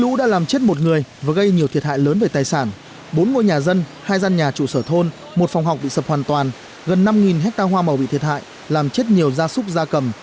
lũ đã làm chết một người và gây nhiều thiệt hại lớn về tài sản bốn ngôi nhà dân hai gian nhà trụ sở thôn một phòng học bị sập hoàn toàn gần năm hectare hoa màu bị thiệt hại làm chết nhiều gia súc gia cầm